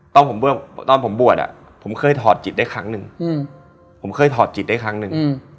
ตอนผมบวชผมเคยถอดจิตได้ครั้งหนึ่งผมเคยถอดจิตได้ครั้งหนึ่ง